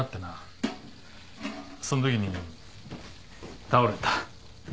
そんときに倒れた。